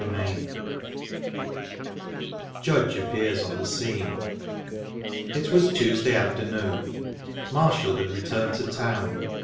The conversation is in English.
Chapter VI JUDGE APPEARS ON THE SCENE It was Tuesday afternoon. Marshall had returned to town.